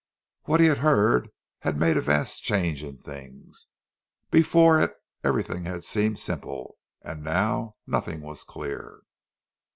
What he had heard had made a vast change in things. Before it everything had seemed simple; and now nothing was clear.